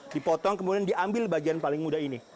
dipotong kemudian diambil bagian paling muda ini